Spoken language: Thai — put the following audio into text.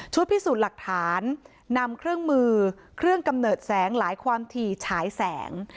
พิสูจน์หลักฐานนำเครื่องมือเครื่องกำเนิดแสงหลายความถี่ฉายแสง